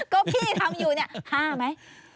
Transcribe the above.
ก็พี่ทำอยู่เนี่ย๕ไหม